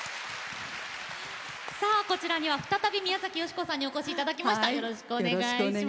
こちらには再び、宮崎美子さんにお越しいただきました。